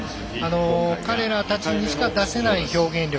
彼らたちにしか出せない表現力。